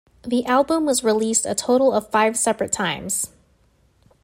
The album was released a total of five separate times.